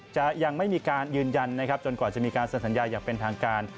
จะยังไม่มีการยืนยันนะครับจนกว่าจะมีการเซ็นสัญญาอย่างเป็นทางการ